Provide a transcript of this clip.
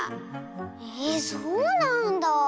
えそうなんだあ。